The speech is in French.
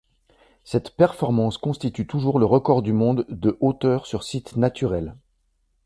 Cette performance constitue toujours le record du monde de hauteur sur site naturel.